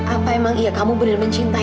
apa emang iya kamu benar benar menjaga aku